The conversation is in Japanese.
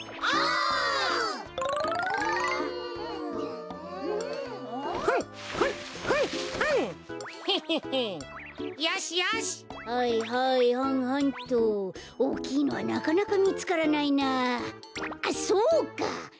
あっそうか。